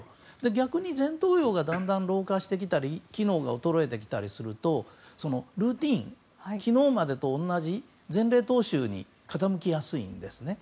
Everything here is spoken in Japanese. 逆に前頭葉がだんだん老化してきたり機能が衰えてきたりするとルーティン昨日までと同じ前例踏襲に傾きやすいんですね。